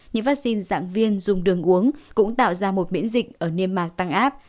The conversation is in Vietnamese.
những vaccine dạng viên dùng đường uống cũng tạo ra một miễn dịch ở niêm mạc tăng áp